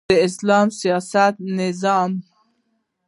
د اسلام سیاسی نظام